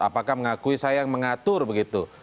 apakah mengakui saya yang mengatur begitu